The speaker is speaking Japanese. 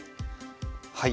はい。